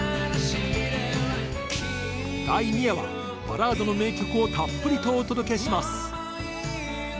第２夜はバラードの名曲をたっぷりとお届けします。